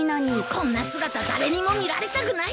こんな姿誰にも見られたくないよ。